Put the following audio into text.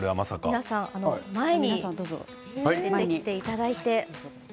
皆さん、どうぞ前に出てきていただいて。